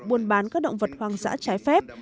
buôn bán các động vật hoang dã trái phép